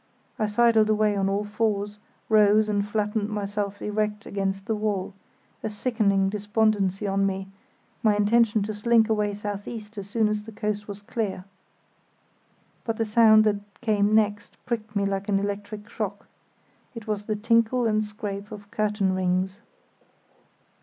I sidled away on all fours, rose and flattened myself erect against the wall, a sickening despondency on me; my intention to slink away south east as soon as the coast was clear. But the sound that came next pricked me like an electric shock; it was the tinkle and scrape of curtain rings.